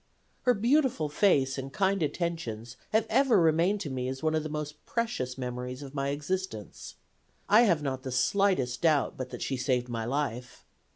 Her beautiful face and kind attentions have ever remained to me as one of the most precious memories of my existence. I have not the slightest doubt but that she saved my life.